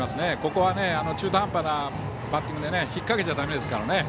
ここは中途半端なバッティングで引っ掛けちゃだめですからね。